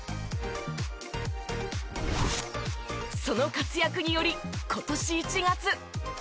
その活躍により今年１月。